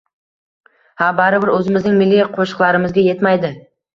Ha baribir o’zimizning milliy qo’shiqlarimizga yetmaydi.